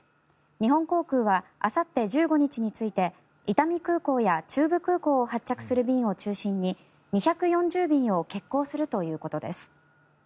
日本航空はあさって１５日について伊丹空港や中部空港を発着する便を中心に２４０便を欠航するということです。